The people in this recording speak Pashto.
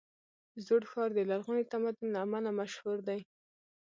زوړ ښار د لرغوني تمدن له امله مشهور دی.